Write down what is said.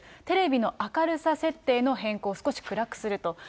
テレビの明るさ設定の変更、少し暗くすると。